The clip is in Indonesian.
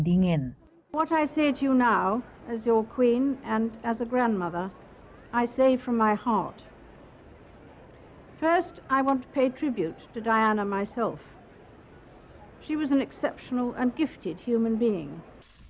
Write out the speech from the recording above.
ketika dia menerima pembayaran dia beraksi pelan dan dingin